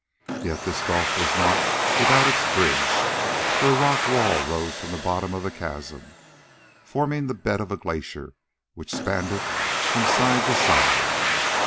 Yet this gulf was not without its bridge, for a rock wall rose from the bottom of the chasm, forming the bed of a glacier which spanned it from side to side.